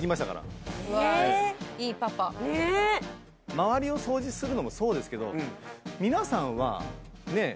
周りを掃除するのもそうですけど皆さんは。